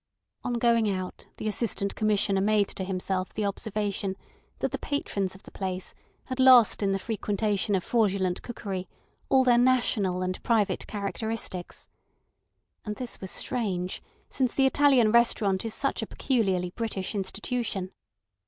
On going out the Assistant Commissioner made to himself the observation that the patrons of the place had lost in the frequentation of fraudulent cookery all their national and private characteristics. And this was strange, since the Italian restaurant is such a peculiarly British institution.